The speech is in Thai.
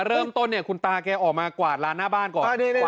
เริ่มต้นคุณตาให้ออกมากวาดลานหน้าบ้านก่อน